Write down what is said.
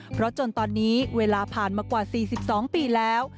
เพราะจนตอนนี้เวลาผ่านมากว่า๔๒ปีแล้ว